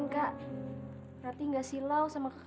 kalau dibiarin malah ngelunjak